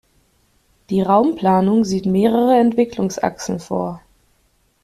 Die Raumplanung sieht mehrere Entwicklungsachsen vor.